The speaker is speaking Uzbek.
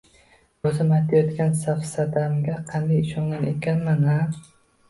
O’zim aytayotgan safsatamga qanday ishongan ekanman-a?